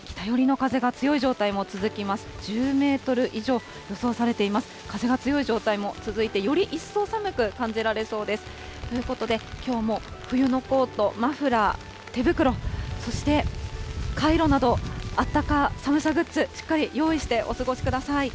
風が強い状態も続いて、より一層寒く感じられそうです。ということで、きょうも冬のコート、マフラー、手袋、そしてカイロなど、あったか、寒さグッズ、しっかり用意してお過ごしください。